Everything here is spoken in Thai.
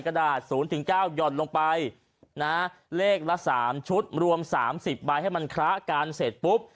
กระดาษ๐๙หย่อนลงไปนะเลขละ๓ชุดรวม๓๐ใบให้มันคละกันเสร็จปุ๊บ